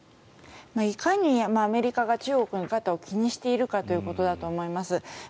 いかにアメリカが中国の出方を気にしているかということだと思います。